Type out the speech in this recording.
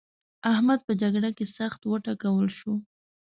احمد په جګړه کې سخت وټکول شو.